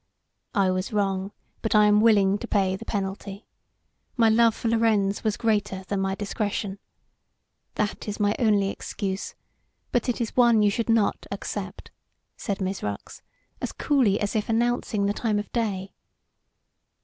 "I was wrong, but I am willing to pay the penalty. My love for Lorenz was greater than my discretion. That is my only excuse, but it is one you should not accept," said Mizrox, as coolly as if announcing the time of day.